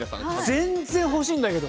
全然欲しいんだけど。